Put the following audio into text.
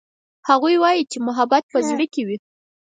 هغوی وایي چې محبت په زړه کې وي